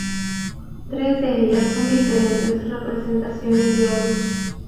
Tres de ellas son diferentes representaciones de Horus.